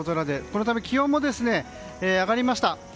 このため、気温も上がりました。